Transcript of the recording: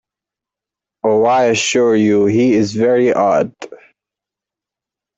Oh, I assure you he is very odd!